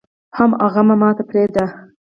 حم اغه ماته پرېده.